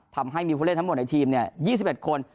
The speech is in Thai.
ทำให้มีผู้เล่นทั้งหมดในทีม๒๑คน